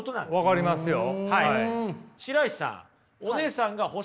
分かりますよ。